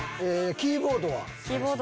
キーボードは？